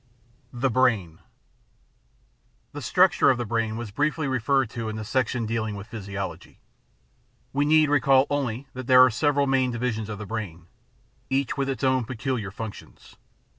The Brain The structure of the brain was briefly referred to in the section dealing with physiology. We need recall only that there are several main divisions of the brain, each with its own peculiar functions.